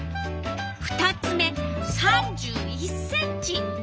２つ目３１ｃｍ。